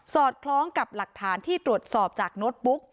อดคล้องกับหลักฐานที่ตรวจสอบจากโน้ตบุ๊ก